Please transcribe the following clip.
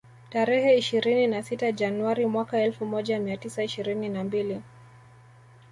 Tarehe ishirini na sita Januari mwaka elfu moja mia tisa ishirini na mbili